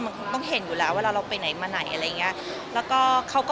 แบบเดินลงทะเลลงทะเลรูปภาพมีจำไหมนะครับ